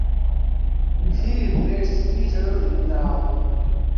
He replaced Peeter Lindau.